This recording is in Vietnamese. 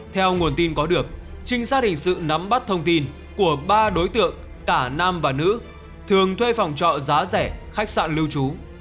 theo nguồn tin có được trinh sát hình sự nắm bắt thông tin của ba đối tượng cả nam và nữ thường thuê phòng trọ giá rẻ khách sạn lưu trú